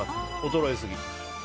衰えすぎ。